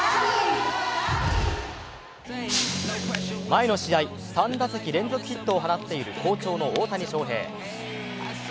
前の試合３打席連続ヒットを放っている好調の大谷翔平。